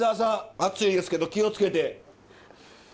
熱いですけど気をつけて。